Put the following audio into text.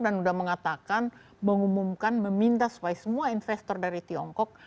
dan udah mengatakan mengumumkan meminta supaya semua investor dari tiongkok